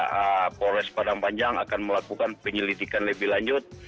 pihak polres padang panjang akan melakukan penyelidikan lebih lanjut